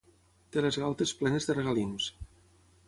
Té les galtes plenes de regalims.